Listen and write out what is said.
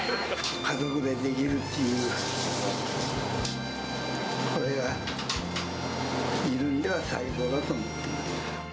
家族でできるっていう、これが自分では最高だと思ってます。